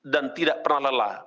dan tidak pernah lelah